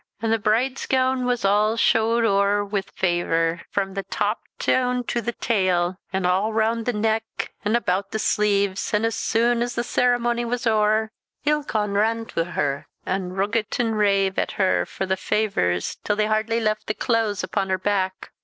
"An' the bride's goon was aw shewed ow'r wi' favour, frae the tap doon to the tail, an' aw roond the neck, an' aboot the sleeves; and, as soon as the ceremony was ow'r, ilk ane ran till her, an' rugget an' rave at her for the favours till they hardly left the claise upon her back.